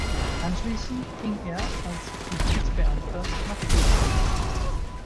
Anschließend ging er als Justizbeamter nach Dresden.